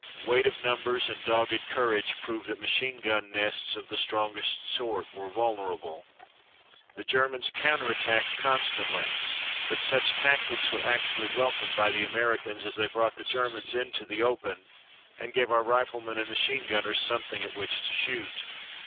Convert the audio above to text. Weight of numbers and dogged courage proved that machine gun nests of the strongest sort were vulnerable. The Germans counter attacked constantly, but such tactics were actually welcomed by the Americans as they brought the Germans into the open and gave our riflemen and machine gunners something at which to shoot.